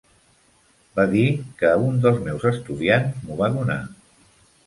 Va dir que un dels meus estudiants m'ho va donar.